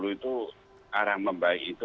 itu arah membaik itu